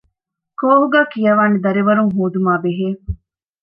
ކޯހުގައި ކިޔަވާނެ ދަރިވަރުން ހޯދުމާ ބެހޭ